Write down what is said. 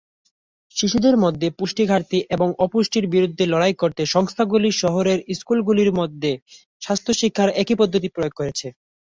শিশুদের মধ্যে পুষ্টির ঘাটতি এবং অপুষ্টির বিরুদ্ধে লড়াই করতে সংস্থাগুলি শহুরে স্কুলগুলির মধ্যে স্বাস্থ্য শিক্ষার একই পদ্ধতি প্রয়োগ করেছে।